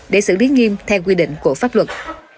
để xử lý nghiêm theo quy định của pháp luật